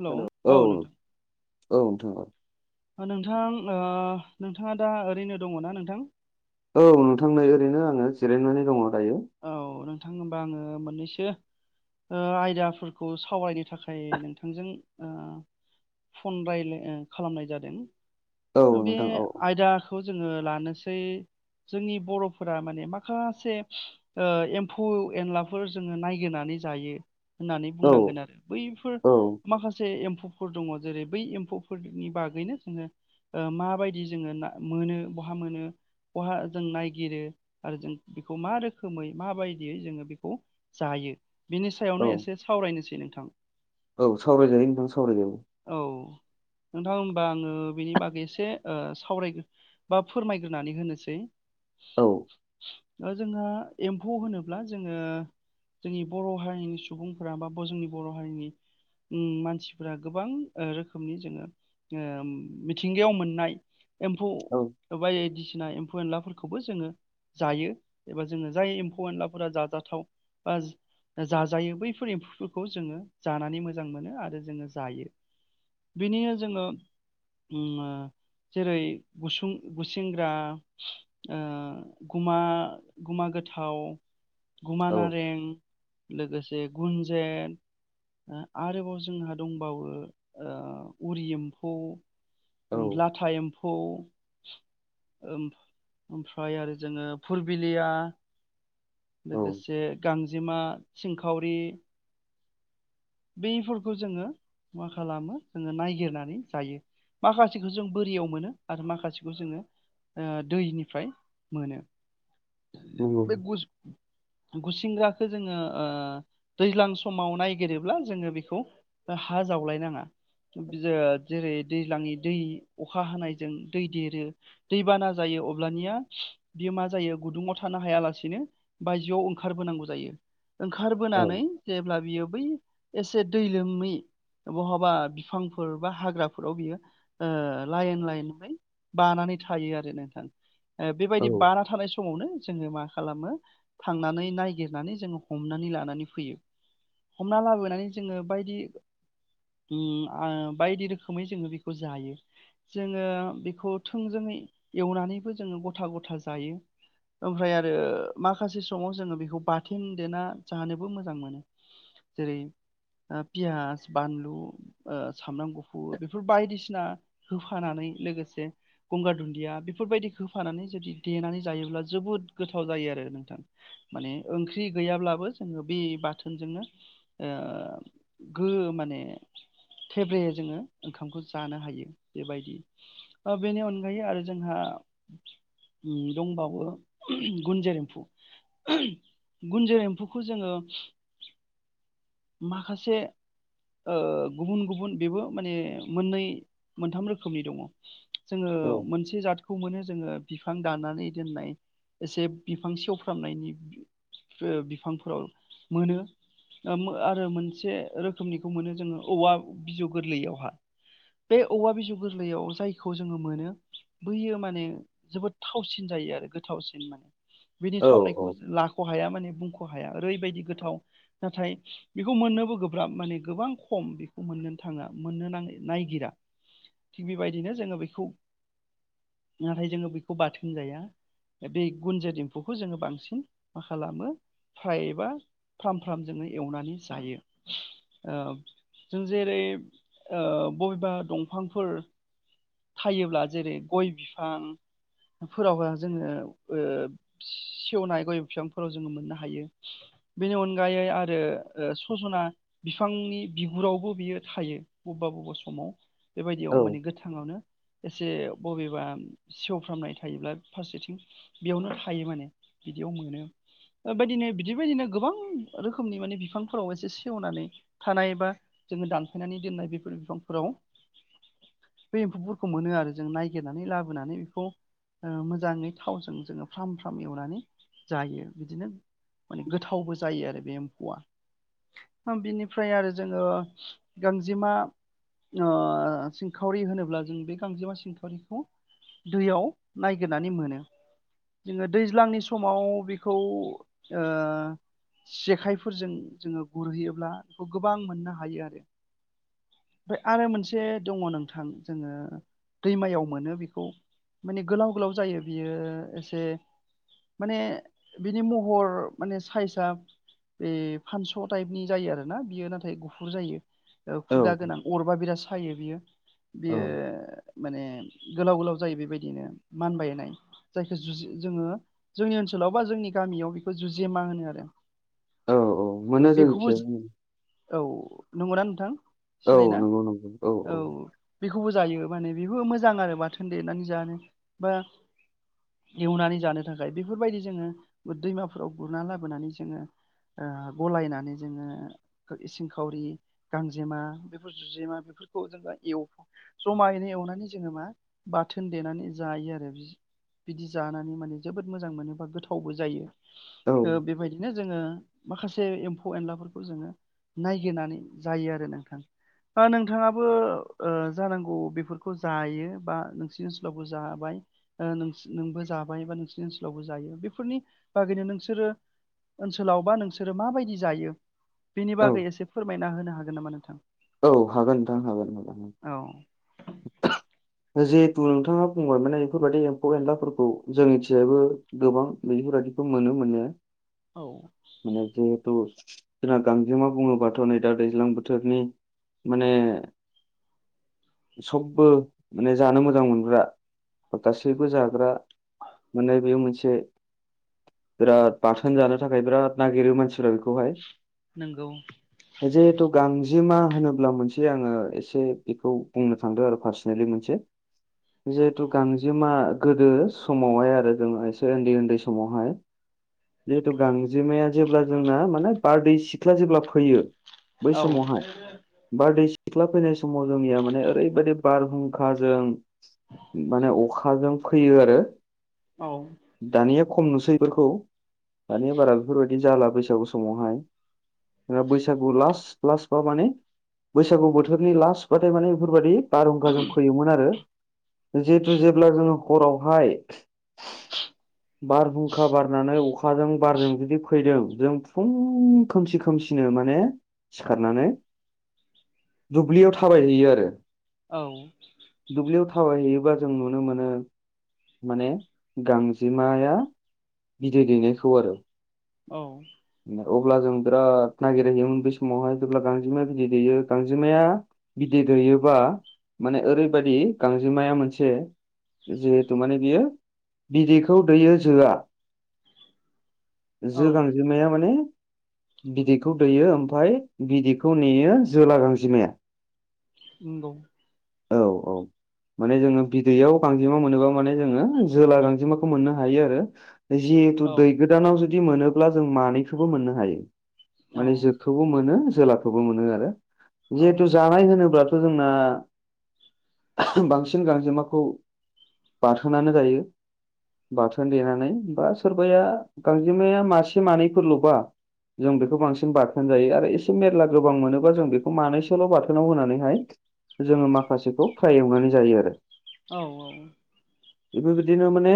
हेल' औ नोंथां। औ नोंथां औ। ओ नोंथां ओ नोंथाङा दा ओरैनो दङ ना नोंथां? औ नोंथां नै ओरैनो आङो जिरायनानै दङ दायो। औ नोंथां होमबा आङो मोननैसो ओ आयदाफोरखौ सावरायनो थाखाय नोंथांजों ओ फन रायलाय ओ खालामनाय जादों। औ ओ बे नोंथां औ आयदाखौ जोङो लानोसै जोंनि बर'फोरा माने माखासे ओ एम्फौ एनलाफोर जोङो नायगिरनानै जायो होननानै औ बुंनांगोन आरो बैफोर औ माखासे एम फौफोर दङ जेरै बै एम्फौफोरनि बागैनो जोङो ओ माबायदि जोङो ना मोनो ब बहा मोनो बहा जों नायगिरो आरो जों बेखौ मा रो खोमै माबायदियै जोङो बेखौ जायो बिनि औ सायावनो एसे सावरायनोसै नोंथां। औ सावरायजायो नोंथां सावरायजायो। औ नोंथां होनबा आङो बेनि बागै एसे ओ सावरायगोर बा फोरमायग्रोनानै होनोसै। औ ओ जोंहा एम्फौ होनोब्ला जोङो जोंनि बर' हारिनि सुबुंफोरा बा जोंनि बर' हारिनि उम मानसिफोरा गोबां ओ रोखोमनि जोङो ओ मिथिंगायाव मोननाय एम्फौ औ ओ बायदिसिना एम्फौ एनलाफोरखौबो जोङो जायो एबा जोङो जाय एम्फौ एनलाफोरा जाजाथाव बा ओ जाजायो बैफोर एम्फौफोरखौ जोङो जानानै मोजां मोनो आरो जोङो जायो। बिनिनो जोङो उम जेरै गुसुं गुसेेंग्रा ओ गुमा गुमा गो थाव गुमा औ नारें लोगोसे गुन्जेत ओ आरोबाव जोंहा दंबावो ओ उरि एम्फौ औ उम लाथा एम फौ ओम-ओमफ्राय आरो जोङो फुरबिलिया औ लोगोसे गांजेमा सिंखावरि बेफोरखौ जोङो मा खालामो जोङो नायगिरनानै जायो। माखासेखौ जों बोरियाव मोनो आरो माखासेखौ जोङो ओ दैनिफ्राय मोनो नंगौ बे गुस गुसेंग्राखौ जोङो ओ दैज्लां समाव नायगिरो ब्ला जोङो बेखौ ओ हा जावलाय नाङा बियो जेरै दैज्लाङनि दै अखा हानायजों दै देरो दैबाना जायो अब्लानिया बेयो मा जायो गुदुङाव थानो हायालासेनो बायजोआव ओंखारबोनांगौ जायो। औ ओंखारबोनानै जेब्ला बियो बै एसे दै लोमै बहाबा बिफांफोर बा हाग्राफोराव बियो ओ लाइन लाइनहाय बानानै नै थायो आरो नोंथां ओ औ बेबायदि बाना थानाय समावनो जोङो मा खालामो थांनानै नायागिरनानै जोङो हमनानै लानानै फैयो। हमना लाबोनानै जोङो बायदि उम आ बायदि रोखोमै जोङो बेखौ जायो। जोङो बेखौ थोंजोङै एवनानैबो जोङो गथा गथा जायो। ओमफ्राय आरो माखासे समाव जोङो बेखौ बाथोन देना जानोबो मोजां मोनो जेरै ओ पियास बानलु ओ सामब्राम गुफुर बेफोर बायदिसिना होफानानै लोगोसे गंगार दुन्दिया बेफोरबायदि होफानानै जुदि देनानै जायोब्ला जोबोद गोथाव जायो आरो नोंथां माने ओंख्रि गैयाब्लाबो जोङो बे बाथोनजोंनो गो माने थेब्रे जोङो ओंखामखौ जानो हायो बेबायदि बेनि अनगायै आरो जोंहा दंबावो गुुनजेर एम्फौ गुुनजेर एम्फौखौ जोङो माखासे ओ गुबुन गुबुन बेबो माने मोननै मोनथाम रोखोमनि दङ जोङो औ मोनसे जाथ खौ मोनो जोङो बिफां दाननानै दोननाय एसे बिफां सेवफ्रामनायनि बिफांफोराव मोनो आरो मोनसे रोखोमनिखौ मोनो जोङो औवा बिजौ गोरलैयावहा बे औवा बिजौ गोरलैयाव जायखौ जोङो मोनो बैयो माने जोबोद थावसिन जायो आरो गोथावसिन माने बिनि औ थावनायखौ लाख हाया माने बुंख हाया ओरैबायदि गोथाव नाथाय बेखौ मोननोबो गोब्राब माने गोबां खम बेखौ मोननोनो थाङा मोननो नां नायगिरा थिग बेबायदिनो जोङो बेखौ नाथाय जोङो बेखौ बाथोन जाया बे गुुनजेर एम्फौखौ जोङो बांसिन मा खालामो फ्राय एबा फ्राम फ्रामजोंनो एवनानै जायो जों जेरै ओ बबेबा दंफांफोर थायोब्ला जेरै गय बिफां फोरावहा जोङो ओ सेवनाय गय बिफांफोराव जोङो मोननो हायो बिनि अन गायै आरो सजना बिफांनि बिगुरावबो बियो थायो बबेबा बबेबा सम माव बेबायदियाव औ माने गोथाङावनो एसे बबेबा सेवफ्रामनाय थायोब्ला फारसेथिं बेयावनो थायो माने बिदि बिदियाव मोनो बेबायदिनो बिदिबायदिनो गोबां रोखोमनि माने बिफांफोराव एसे सेवनानै थानाय बा जोङो दानफायनानै दोननाय बेफोर बिफांफोराव बे एम्फौफोरखौ मोनो आरो जों नायगिरनानै लाबोनानै बेखौ ओ मोजाङै थावजों जोङो फ्राम फ्राम एवनानै जायो बिदिनो माने गोथावबो जायो आरो बे एम्फौआ बिनिफ्राय आरो जोङो गांजेमा ओ सिंखावरि होनोब्ला जों बे गांजेमा सिंखावरिखौ दैयाव नायगिरनानै मोनो जोङो दैज्लांनि समाव बेखौ ओ जेखाइफोरजों जोङो गुरहैयोब्ला बेखौ गोबां मोननो हायो आरो ओमफ्राय आरो मोनसे दङ नोंथां जोङो दैमायाव मोनो बेखौ माने गोलाव गोलाव जायो बियो एसे माने बिनि महर माने साइजआ बे फानस टाइपनि जायो आरो ना बियो नाथाय गुफुर जायो। ओ औ खुगा गोनां अरबा बिराद सायो बियो औ बियो माने गोलाव गोलाव जायो बेबायदिनो मानबायनाय जायखौ जुजि जोङो जोंनि ओनसोल सोलावबा जोंनि गामियाव बेखौ जुजेमा होनो आरो। औ मोनो बेखौबो जोंनिथिं औ नंगौना नोंथां। औ सिनायोना नंगौ नंगौ औ बेखौबो जायो। माने बेबो मोजां आरो बाथोन देनानै जानो बा एवनानै जानो थाखाय बेफोरबायदि जोङो दैमाफोराव गुरना लाबोनानै जोङो ओ गलायनानै जोङो इसिं खावरि गांजेमा बेफोर जुजेमा बेफोरखौ जोङो एव जमायैनो एवनानै जोङो मा बाथोन देनानै जायो आरो। बिदि जानानै माने जोबोद मोजां मोनोबा गोथावबो जायो औ ओ बेबायदिनो जोङो माखासे एम्फौ एनलाफोरखौ जोङो नायगिरनानै जायो आरो नोंथां। नोंथाङाबो ओ जानांगौ बेफोरखौ जायो बा नोंसिनि ओनसोलावबो जाबाय। ओ नोंबो जाबाय बा नोंसोरनि ओनसोलावबो जायो बेफोरनि बागैनो नोंसोरो ओनसोलावबा नोंसोरो माबायदि जायो बेनि औ बागै एसे फोरमायना होनो हागोन नामा नोंथां? औ हागोन नोंथां हागोन [unintelligible] औ [inaudible] जिहेथु नोंथाङा बुंबाय माने बेफोरबायदि एम्फौ एनलाफोरखौ जोंनिथिबो गोबां नुयो। बेफोरबादिखौ मोनो माने औ माने जिहेथु जोंना गांजेमा बुङोबाथ' नै दा दैज्लां बोथोरनि माने [inaudible] सबबो माने जानो मोजां मोनग्रा गासैबो जाग्रा माने बेयो मोनसे बिराद बाथोन जानो थाखाय बिराद नागिरो मानसिफोरा बेखौ खौहाय नंगौ जिहेथु गां जेमा होनोब्ला मोनसे आङो एसे बेखौ बुंनो थांदों आरो पार्सनेलि मोनसे जिहेथु गांजेमा गोदो समावहाय आरो जों एसे उन्दै उन्दै समावहाय जिहेथु गांजेमाया जेब्ला जोंना माने बारदै सिख्ला जेब्ला फैयो। बै औ समावहाय बारदै सिख्ला फैनाय समाव जोंनिया माने ओरैबायदि बारहुंखाजों माने अखाजों फैयो आरो। औ। दानिया खम नुसै बेफोरखौ दानिया बारा बेफोरबायदिनो जाला बैसागु समावहाय। बैसागु लास लास बा माने बैसागु बोथोरनि लास्टबाथाय माने बेफोरबायदि बारहुंखाजों फैयोमोन आरो। जिहेतु जेब्ला जोङो हरावहाय बारहुंखा बारनानै अखाजों बारजों जुदि फैदों जों फुं खोमसि खोमसि सिनो माने सिखारनानै [inaudible] दुब्लियाव थाबायहैयो आरो। औ। दुब्लियाव थाबायहैयोबा जों नुनो मोनो माने गांजेमाया बिदै दैेनायखौ आरो। औ। अब्ला जों बिराद नागिरहैयोमोन बे समावहाय जेब्ला गांजेमाया बिदै दैेयो गांजेमाया बिदै दैयोबा माने ओरैबायदि गांजेमाया मोनसे जिहेथु माने बियो बिदैखौ दैयो जोआ [inaudible] औ जो गां माने बिदैखौ दैयो ओमफाय बिदैखौ नेयो जोला गांजिमाया। उम द। औ औ। माने जोङो बिदैयाव गांजेमा मोनोबा माने जोङो जोला गांजेमाखौ मोननो हायो आरो। जिहेथु औ दै गोदानाव जुदि मोनोब्ला जों मानैखौबो मोननो हायो। औ माने जोखौबो मोनो जोलाखौबो मोनो आरो जिहेथु जानाय होनोब्ला जोंना बांसिन गांजेमाखौ बाथोनानो जायो‌। बाथोन देनानै बा सोरबाया गांजेमाया मासे मानैफोरल'बा जों बेखौ बांसिन बाथोन जायो आरो एसे मेर्ला गोबां मोनोबा जों बेखौ मानैसोल' बाथोनाव होनानैहाय। जोङो माखासेखौ फ्राय एवनानै जायो आरो औ औ। बेफोरबायदिनो माने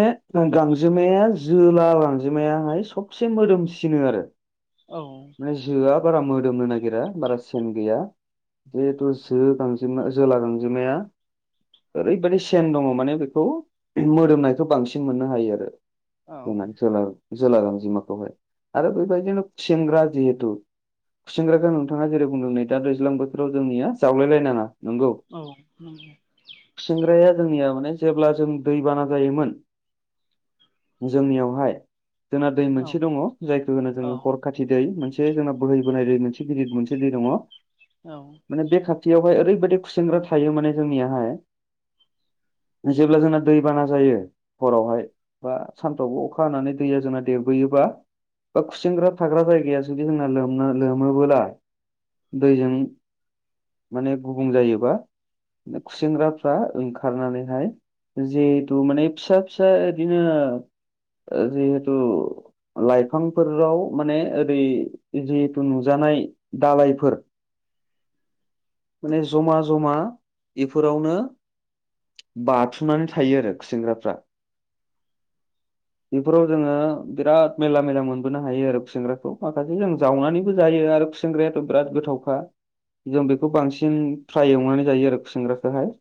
गांजेमाया जोला गांजेमायाहाय सब एसे मोदोमसिनो आरो माने जोआ बारा मोदोमनो नागिरा बारा सेन गैया। जिहेथु जो गांजेमा जोला गांजेमाया ओरैबायदि सेन दङ माने बेखौ मोदोमनायखौ बांसिन मोननो हायो आरो। औ जोंना जोला गांजेमा बावहाय आरो बेबायदिनो सेंग्रा जिहेतु खुसिनग्राखौ नोंथाङा जेरै बुंदों नै दा दैज्लां बोथोराव जोंनिया जावलायलाय नाङा नंगौ औ नंगौ खुसेंग्राया जोंनिया माने जेब्ला जों दै बाना जायोमोन जोंनियावहाय जोंना दै मोनसे दङ जायखौ होनो औ जोङो हर खाथि दै दै मोनसे जोंना बोहैबोनाय दै मोनसे गिदिर मोनसे दै दङ औ माने बे खाथियावहाय ओरै बादि खुसेंग्रा थायो माने जोंनियाहाय जेब्ला जोंना दैबाना जायो हरावहाय बा सानफ्रावबो अखा हानानै दैया जोंना देरबोयो बा खुसेंग्रा थाग्रा जायगाया जुदि जोंना लोमना लोमोबोला दैजों माने गुबुं जायोबा खुसेंग्राफ्रा ओंखारनानैहाय जिहेथु माने फिसा फिसा बिदिनो ओ जिहेथु लाइफांफोराव माने ओरै जिहेथु नुजानाय दालायफोर [inaudible] माने जमा जमा बेफोरावनो बाथुमनानै थायो आरो खुसेंग्राफ्रा बेफोराव जोङो बिराद मेरला मेला मोनबोनो हायो आरो खुसेंग्राखौ माखासे जों जावनानैबो जायो आरो खुसेंग्रायाथ' बिराद गोथावखा। जों बेखौ बांसिन फ्राय एवनानै जायो आरो खुसेंग्राखौहाय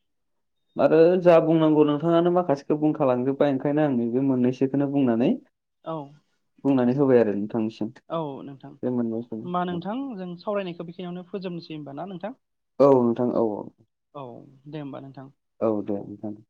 [inaudible] आरो जा बुंनांगौ नोंथाङानो माखासेखौ बुंखालांजोब्बाय ओंखायनो आं नैबे मोननैसोखौनो बुंनानै औ नोंथां बुंनानै होबाय आरो नोंथां औ नोंथां होमबा नोंथां जों सावरायनायखौ बेखिनियावनो फोजोबनोसै होनबा ना नोंथां। औ नोंथां औ औ औ दे होमबा नोंथां औ दे नोंथां। [inaudible]